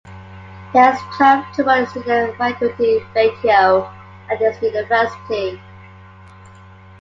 There is a twelve to one student faculty ratio at this University.